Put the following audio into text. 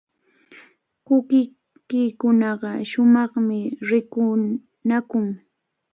Kukulikunaqa shumaqmi rirqunakun.